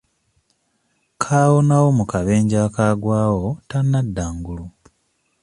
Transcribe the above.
Kaawonawo mu kabenje akaakagwawo tanadda ngulu.